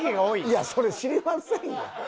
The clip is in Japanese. いやそれ知りませんよ。